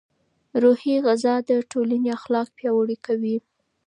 روحي غذا د ټولنې اخلاق پیاوړي کوي.